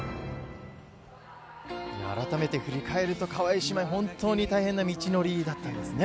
改めて振り返ると川井姉妹、本当に大変な道のりだったんですね。